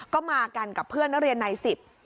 ก็มากันกับเพื่อนได้เรียนใน๑๐